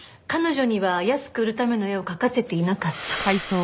彼女には安く売るための絵を描かせていなかった。